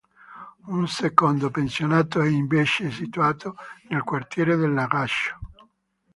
Un secondo pensionato è invece situato nel quartiere del Lagaccio.